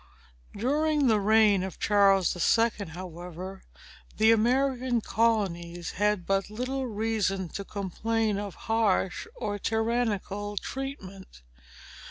During the reign of Charles the Second, however, the American colonies had but little reason to complain of harsh or tyrannical treatment.